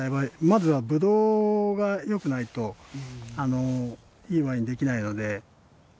まずはぶどうがよくないといいワインできないので。